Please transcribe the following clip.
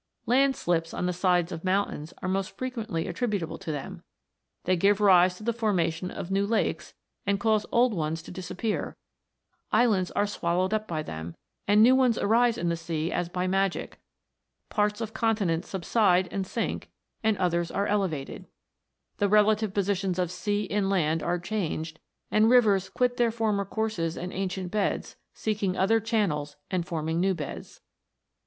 Landslips on the sides of mountains are most frequently attributable to them; they give rise to the formation of new lakes, and cause old ones to disappear; islands are swallowed up by them, and new ones arise in the sea as by magic; parts of continents subside and sink, and others are elevated; the relative positions PLUTO'S KINGDOM. 297 of sea and land are changed, and rivers quit their former courses and ancient beds, seeking other channels and forming new beds.